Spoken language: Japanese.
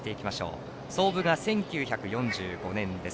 創部が１９４５年です。